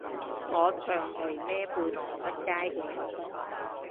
我長期孭背囊出街嘅